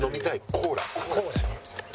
コーラね。